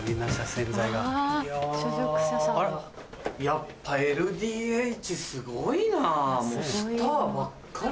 やっぱＬＤＨすごいなスターばっかりじゃん。